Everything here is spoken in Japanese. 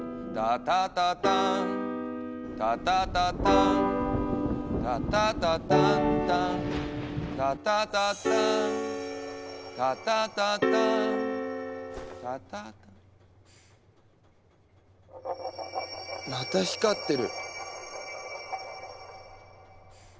「タタタターン」「タタタタンタン」「タタタターンタタタターン」「タタ」また光ってる。